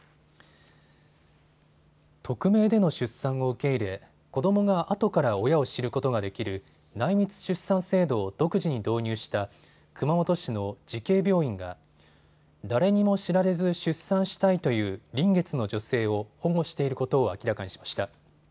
匿名での出産を受け入れ子どもがあとから親を知ることができる内密出産制度を独自に導入した熊本市の慈恵病院が誰にも知られず出産したいという臨月の女性を保護していることを明らかにしました。